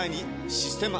「システマ」